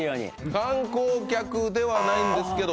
観光客ではないんですけど。